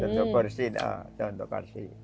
ini adalah contohnya